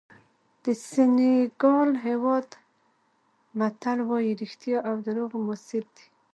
د سینیګال هېواد متل وایي رښتیا او دروغ موثر دي.